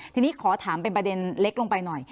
ทีนี้ขอถามเป็นประเด็นเล็กลงไปหน่อย